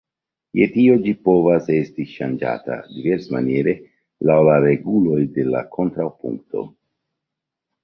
Je tio ĝi povas esti ŝanĝata diversmaniere laŭ la reguloj de la kontrapunkto.